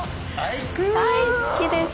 大好きです。